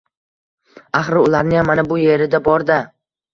Axir ularniyam mana bu yerida bor-da!..